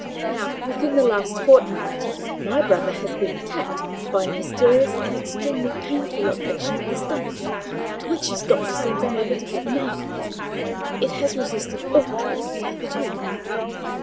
Now, within the last fortnight, my brother has been attacked by a mysterious and extremely painful affection of the stomach, to which his doctor seems unable to give a name. It has resisted all treatment hitherto.